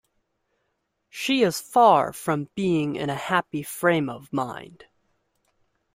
She is far from being in a happy frame of mind.